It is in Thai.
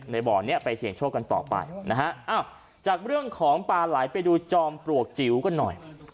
บ่อนี้ไปเสี่ยงโชคกันต่อไปนะฮะอ้าวจากเรื่องของปลาไหลไปดูจอมปลวกจิ๋วกันหน่อย